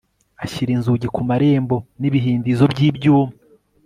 ashyira inzugi ku marembo n'ibihindizo by'ibyuma